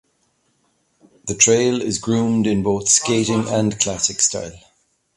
The trail is groomed in both skating and classic style.